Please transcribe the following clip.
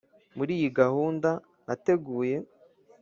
muri iyi gahunda nateguye